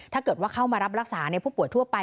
ถ้าเกิดว่าเข้ามารับรักษาในผู้ปวดทั่วไป